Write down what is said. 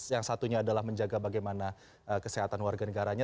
yang satunya adalah menjaga bagaimana kesehatan warga negaranya